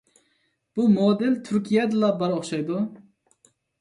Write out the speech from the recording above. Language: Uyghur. بۇ مودېل تۈركىيەدىلا بار ئوخشايدۇ.